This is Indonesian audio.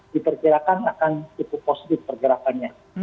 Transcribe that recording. diperkirakan akan cukup positif pergerakannya